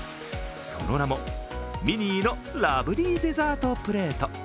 その名も、ミニーのラブリーデザートプレート。